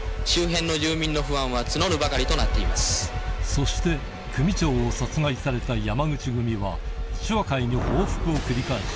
そして組長を殺害された山口組は一和会に報復を繰り返し